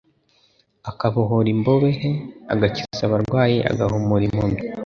akabohora imbohe, agakiza abarwayi, agahumura impumyi